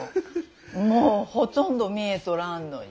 もうほとんど見えとらんのに。